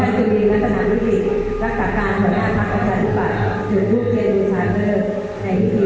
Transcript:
ถึงทุกเทียนมูลชาติในวิธีโมงสองโมงธรรมแห่งศาลัทธิ์